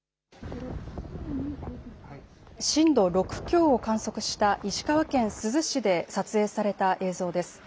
震度６強を観測した石川県珠洲市で撮影された映像です。